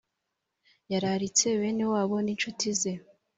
yararitse bene wabo n’incuti ze